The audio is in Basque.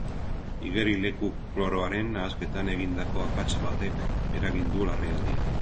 Igerilekuko kloroaren nahasketan egindako akats batek eragin du larrialdia.